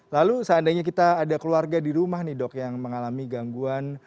lalu seandainya kita ada keluarga di rumah nih dok yang mengalami gangguan